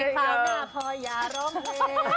ฟะหน้าพออย่ารองเพลง